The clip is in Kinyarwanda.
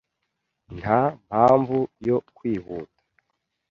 Nta mpamvu yo kwihuta.